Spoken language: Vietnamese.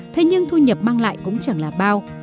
thế nhưng thu nhập mang lại cũng chẳng là bao